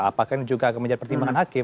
apakah ini juga akan menjadi pertimbangan hakim